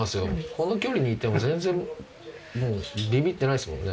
この距離にいても全然もうビビってないですもんね。